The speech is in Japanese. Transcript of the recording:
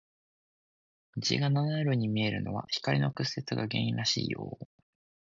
虹が七色に見えるのは、光の屈折が原因らしいよ。